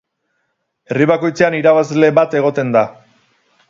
Herri bakoitzean irabazle bat egoten da.